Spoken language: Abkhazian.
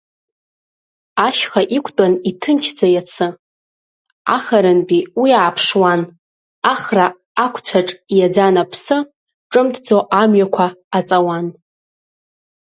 Ашьха иқәтәан иҭынчӡа иацы, ахарантәи уи ааԥшуан, Ахра ақәцәаҿ иаӡан аԥсы, ҿымҭӡо амҩақәа аҵауан.